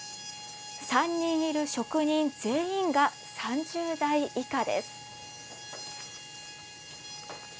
３人いる職人全員が３０代以下です。